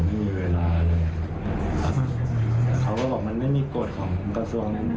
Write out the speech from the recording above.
ไม่มีเวลาเลยแต่เขาก็บอกมันไม่มีกฎของกระทรวงนั้น